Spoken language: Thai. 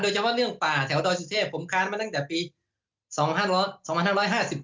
เฉพาะเรื่องป่าแถวดอยสุเทพผมค้านมาตั้งแต่ปี๒๕๕๘